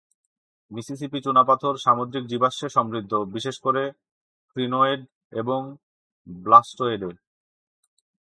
Mississippi চুনাপাথর সামুদ্রিক জীবাশ্মে সমৃদ্ধ, বিশেষ করে ক্রিনোয়েড এবং ব্লাস্টোয়েডে।